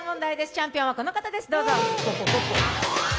チャンピオンはこの方です。